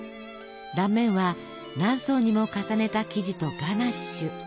断面は何層にも重ねた生地とガナッシュ。